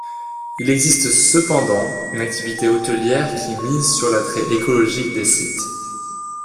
Il existe cependant une activité hotelière qui mise sur l'attrait écologique des sites.